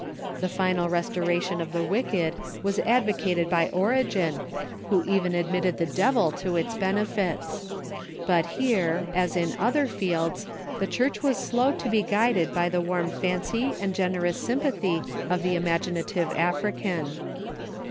The final restoration of the wicked was advocated by Origen, who even admitted the devil to its benefits. But here, as in other fields, the Church was slow to be guided by the warm fancy and generous sympathy of the imaginative African.